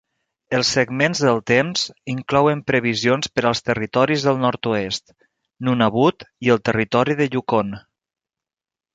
Els segments del temps inclouen previsions per als Territoris del Nord-oest: Nunavut i el territori de Yukon.